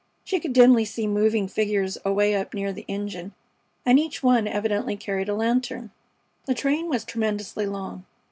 She could dimly see moving figures away up near the engine, and each one evidently carried a lantern. The train was tremendously long.